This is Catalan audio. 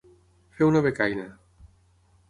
Fer una becaina.